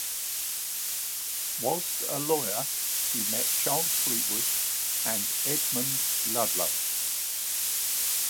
Whilst a lawyer he met Charles Fleetwood and Edmund Ludlow.